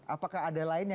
apakah ada lainnya